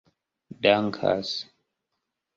dankas